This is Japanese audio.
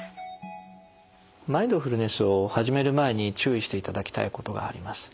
マインドフルネスを始める前に注意していただきたいことがあります。